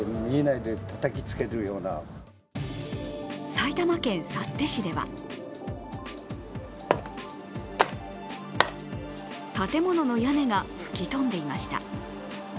埼玉県幸手市では建物の屋根が吹き飛んでいました。